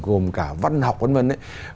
gồm cả văn học văn vân